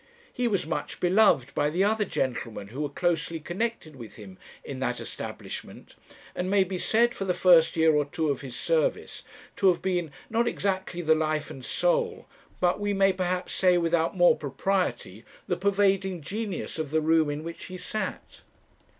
He was much beloved by the other gentlemen who were closely connected with him in that establishment; and may be said, for the first year or two of his service, to have been, not exactly the life and soul, but, we may perhaps say with more propriety, the pervading genius of the room in which he sat.